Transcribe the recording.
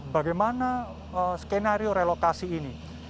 bagaimana skenario relokasi ini